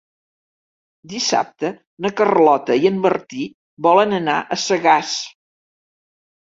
Dissabte na Carlota i en Martí volen anar a Sagàs.